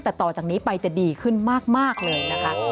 แต่ต่อจากนี้ไปจะดีขึ้นมากเลยนะคะ